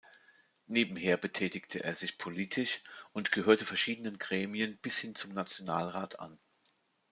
Nebenher betätigte er sich politisch und gehörte verschiedenen Gremien bis hin zum Nationalrat an.